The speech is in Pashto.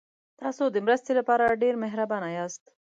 تاسو د مرستې لپاره ډېر مهربانه یاست.